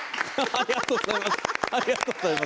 ありがとうございます。